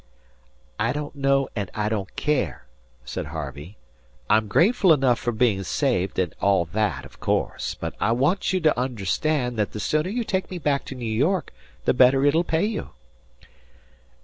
"I don't know and I don't care," said Harvey. "I'm grateful enough for being saved and all that, of course! but I want you to understand that the sooner you take me back to New York the better it'll pay you."